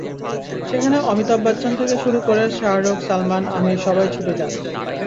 সেখানে অমিতাভ বচ্চন থেকে শুরু করে শাহরুখ, সালমান, আমির সবাই ছুটে যান।